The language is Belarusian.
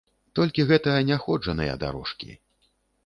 Толькі гэта няходжаныя дарожкі.